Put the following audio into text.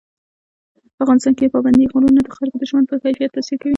په افغانستان کې پابندی غرونه د خلکو د ژوند په کیفیت تاثیر کوي.